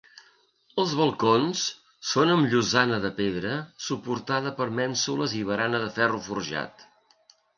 Els balcons són amb llosana de pedra suportada per mènsules i barana de ferro forjat.